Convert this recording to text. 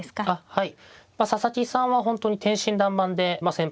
はい。